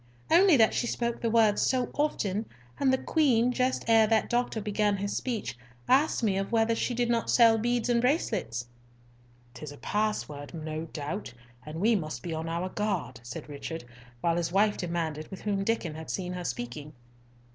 "Only that she spake the words so often; and the Queen, just ere that doctor began his speech, asked of me whether she did not sell beads and bracelets." "'Tis a password, no doubt, and we must be on our guard," said Richard, while his wife demanded with whom Diccon had seen her speaking.